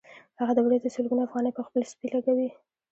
هغه د ورځې سلګونه افغانۍ په خپل سپي لګوي